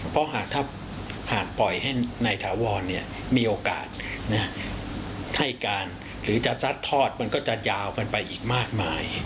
เพราะหากถ้าหากปล่อยให้นายถาวรมีโอกาสให้การหรือจะซัดทอดมันก็จะยาวกันไปอีกมากมาย